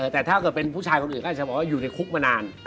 แต่ถ้าเกิดเป็นผู้ชายคนอื่นก็อาจจะบอกว่าอยู่ในคุกมานาน